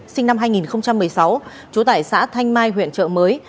sinh năm hai nghìn một mươi sáu trú tại xã thanh mai huyện trợ mới